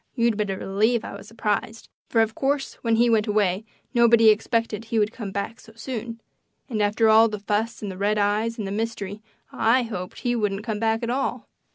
You'd better believe I was surprised, for, of course, when he went away nobody expected he would come back so soon; and after all the fuss and the red eyes and the mystery I hoped he wouldn't come back at all.